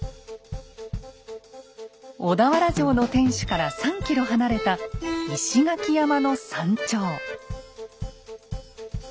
小田原城の天守から３ｋｍ離れた石垣山の山頂。